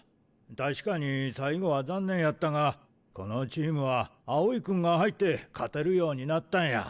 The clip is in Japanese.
確かに最後は残念やったがこのチームは青井君が入って勝てるようになったんや。